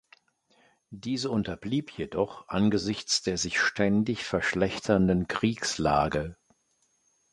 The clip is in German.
Diese unterblieb jedoch angesichts der sich ständig verschlechternden Kriegslage.